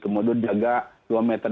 kemudian jaga dua meter